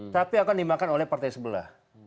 tapi akan dimakan oleh partai sebelah